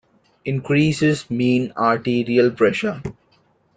Increases mean arterial pressure.